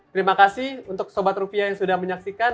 terima kasih untuk sobat rupiah yang sudah menyaksikan